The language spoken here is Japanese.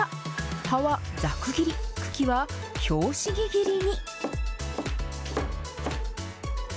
葉はざく切り、茎は拍子木切りに。